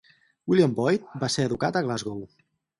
William Boyd va ser educat a Glasgow.